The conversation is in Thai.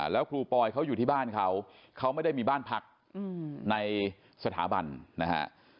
แล้วครูปอยเขาอยู่ที่บ้านเขาเขาไม่ได้มีบ้านพักในสถาบันนะฮะ